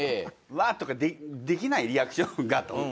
「わあ！」とかできないリアクションがと。